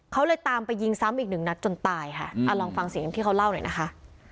เขาเลยตามไปยิงซ้ำอีกหนึ่งนัดจนตายค่ะลองฟังเสียงที่เขาเล่าหน่อยนะคะ